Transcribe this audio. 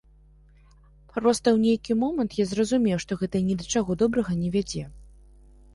Проста, у нейкі момант я зразумеў, што гэта ні да чаго добрага не вядзе.